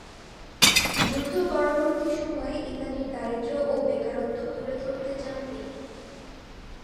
যুদ্ধ-পরবর্তী সময়ে ইতালির দারিদ্র ও বেকারত্ব তুলে ধরতে চান তিনি।